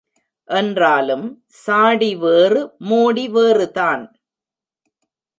என்றாலும் சாடி வேறு மூடி வேறுதான்.